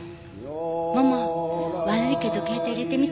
もも悪いけど携帯入れてみて。